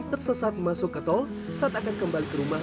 tersesat masuk ke tol saat akan kembali ke rumah